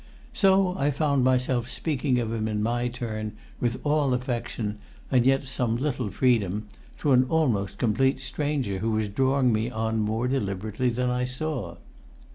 So I found myself speaking of him in my turn, with all affection and yet some little freedom, to an almost complete stranger who was drawing me on more deliberately than I saw.